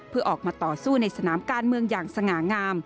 เพื่อออกมาต่อสู้ในสนามการเมืองอย่างสง่างาม